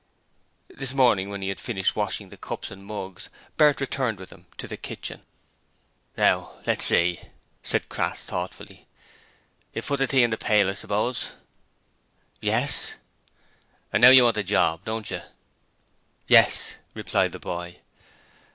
This morning, when he had finished washing up the cups and mugs, Bert returned with them to the kitchen. 'Now let's see,' said Crass, thoughtfully, 'You've put the tea in the pail, I s'pose.' 'Yes.' 'And now you want a job, don't you?' 'Yes,' replied the boy.